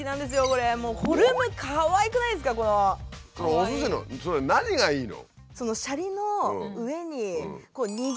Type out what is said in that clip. おすしのそれ何がいいの？